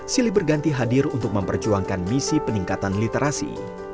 silih berganti hadir untuk memperjuangkan misi peningkatan literasi